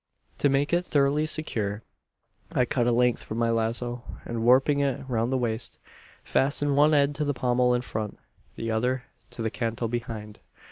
"To make it thoroughly secure, I cut a length from my lazo; and, warping it round the waist, fastened one end to the pommel in front, the other to the cantle behind.